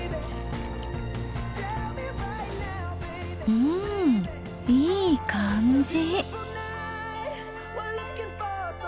うんいい感じ。